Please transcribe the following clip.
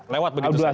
lewat begitu saja